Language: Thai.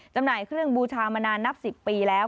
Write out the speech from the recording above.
จำหน่ายเครื่องบูชามานานนับ๑๐ปีแล้ว